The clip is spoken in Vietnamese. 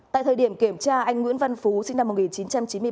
tại thời điểm kiểm tra anh nguyễn văn phú sinh năm một nghìn chín trăm chín mươi ba